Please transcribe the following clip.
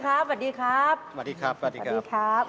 คุณพ่อวันดีครับวันดีครับวันดีครับ